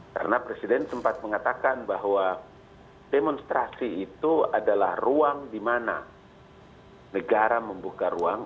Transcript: karena presiden sempat mengatakan bahwa demonstrasi itu adalah ruang di mana negara membuka ruang